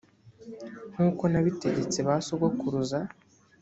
nkuko nabitegetse ba sogokuruza